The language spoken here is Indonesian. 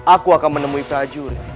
aku akan menemui prajurit